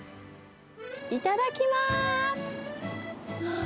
いただきます。